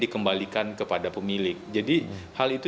dikembalikan kepada pemilik jadi hal itu